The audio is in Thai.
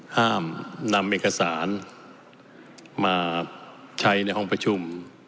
ห้ามนำเอกสารมาใช้ในห้องประชุม